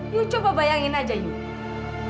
yuk coba bayangin aja yuk